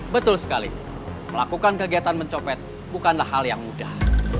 betul sekali melakukan kegiatan mencopet bukanlah hal yang mudah